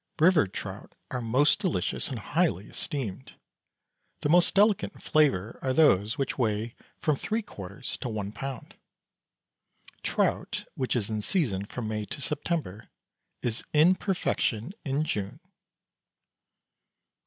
River trout are most delicious and highly esteemed; the most delicate in flavour are those which weigh from three quarters to one pound. Trout, which is in season from May to September, is in perfection in June.